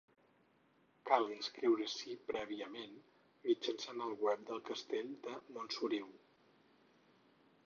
Cal inscriure-s'hi prèviament mitjançant el web del Castell de Montsoriu.